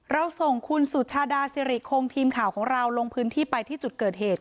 เราส่งคุณสุชาดาสิริคงทีมข่าวของเราลงพื้นที่ไปที่จุดเกิดเหตุ